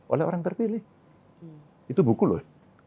oleh orang terpilih itu buku loh